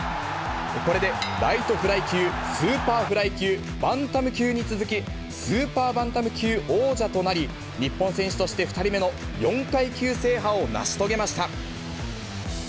これでライトフライ級、スーパーフライ級、バンタム級に続き、スーパーバンタム級王者となり、日本選手として２人目の４階級制覇を成し遂げました。